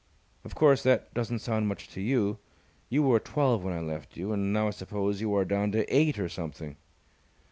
"Of course, that doesn't sound much to you! You were a twelve when I left you, and now I suppose you are down to eight or something."